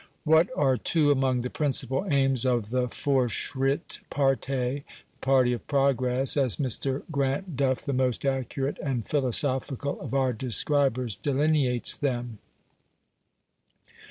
What are two among the principal aims of the Fortschritt Partei the party of progress as Mr. Grant Duff, the most accurate and philosophical of our describers, delineates them?